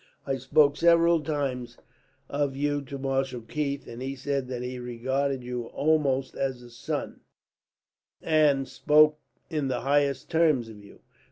"I spoke several times of you to Marshal Keith, and he said that he regarded you almost as a son, and spoke in the highest terms of you.